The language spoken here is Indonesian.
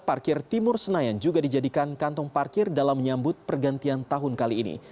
parkir timur senayan juga dijadikan kantong parkir dalam menyambut pergantian tahun kali ini